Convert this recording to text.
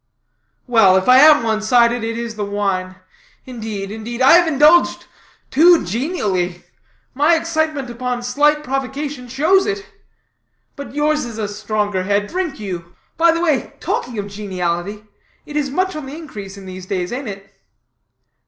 "Well, if I am one sided, it is the wine. Indeed, indeed, I have indulged too genially. My excitement upon slight provocation shows it. But yours is a stronger head; drink you. By the way, talking of geniality, it is much on the increase in these days, ain't it?"